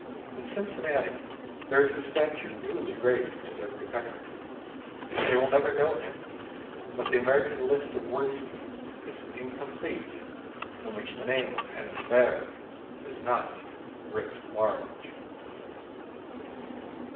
In Cincinnati there is a statue newly raised to their protector. They will never know him, but the American list of worthies is incomplete in which the name of Henry Bergh is not "writ large."